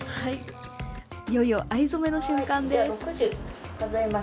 いよいよ藍染めの瞬間です。